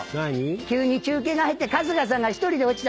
急に中継が入って春日さんが１人で落ちたんじゃないよね？